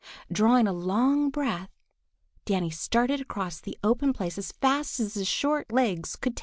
Drawing a long breath, Danny started across the open place as fast as his short legs could take him.